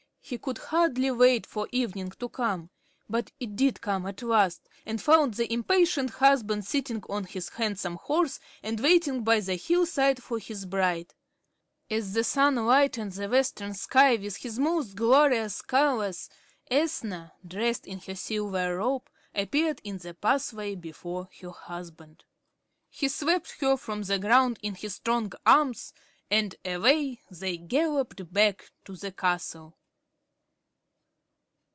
He could hardly wait for evening to come. But it did come at last, and found the impatient husband sitting on his handsome horse and waiting by the hillside for his bride. As the sun lighted the western sky with his most glorious colours, Ethna, dressed in her silver robe, appeared in the pathway before her husband. He swept her from the ground in his strong arms, and away they galloped back to the castle.